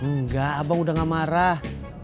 nggak abang udah nggak marah